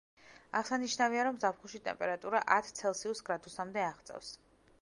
აღსანიშნავია, რომ ზაფხულში ტემპერატურა ათ ცელსიუს გრადუსამდე აღწევს.